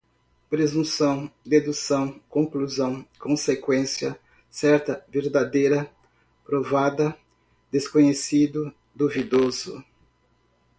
presunção, dedução, conclusão, consequência, certa, verdadeira, provada, desconhecido, duvidoso